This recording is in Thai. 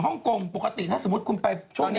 กงปกติถ้าสมมุติคุณไปช่วงนี้